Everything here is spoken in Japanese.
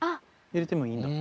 入れてもいいんだ。